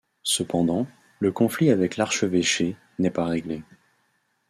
Cependant, le conflit avec l'archevêché n'est pas réglé.